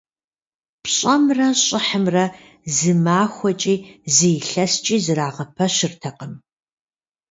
ПщӀэмрэ щӀыхьымрэ зы махуэкӀи, зы илъэскӀи зэрагъэпэщыртэкъым.